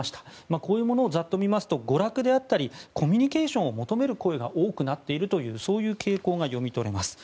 こういうものをざっと見ますと娯楽であったりコミュニケーションを求める声が多くなっている傾向が読み取れます。